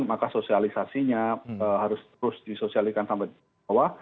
maka sosialisasinya harus terus disosialikan sampai bawah